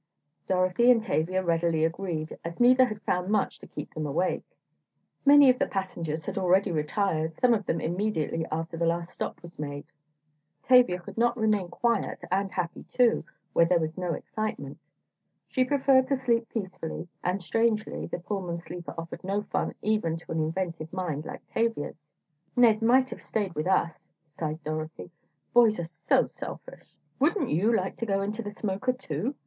Dorothy and Tavia readily agreed, as neither had found much to keep them awake. Many of the passengers had already retired, some of them immediately after the last stop was made. Tavia could not remain quiet, and happy too, where there was no excitement. She preferred to sleep peacefully—and strangely, the Pullman sleeper offered no fun even to an inventive mind like Tavia's. "Ned might have stayed with us," sighed Dorothy. "Boys are so selfish." "Wouldn't you like to go into the smoker too?"